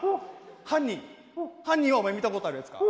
犯人犯人はお前見たことあるやつか？